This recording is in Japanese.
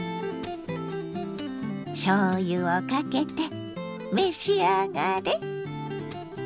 しょうゆをかけて召し上がれ！